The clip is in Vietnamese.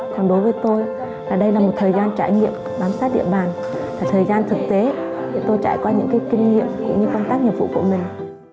còn đối với tôi đây là một thời gian trải nghiệm bám sát địa bàn thời gian thực tế để tôi trải qua những kinh nghiệm cũng như công tác nhiệm vụ của mình